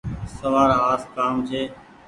سوآر آس ڪآم ڇي۔